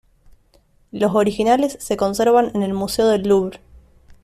Los originales se conservan en el Museo del Louvre.